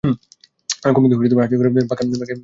কুমুদ মৃদুস্বরে হাসিয়া বলে, পাকা গিন্নির মতো করলে যে মতি?